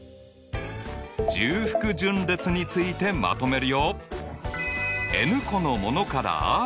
重複順列についてまとめるよ。